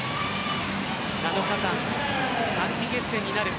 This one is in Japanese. ７日間、短期決戦になる。